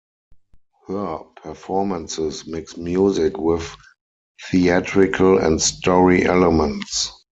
Her performances mix music with theatrical and story elements.